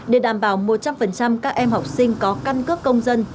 để đảm bảo một trăm linh các em học sinh có căn cước công dân